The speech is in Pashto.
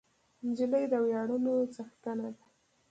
نجلۍ د ویاړونو څښتنه ده.